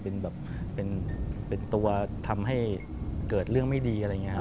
มันเป็นตัวทำให้เกิดเรื่องไม่ดีอะไรอย่างนี้ครับ